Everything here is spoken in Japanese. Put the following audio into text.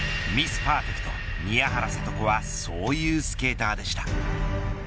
・パーフェクト宮原知子はそういうスケーターでした。